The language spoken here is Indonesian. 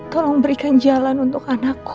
tolong berikan jalan untuk anakku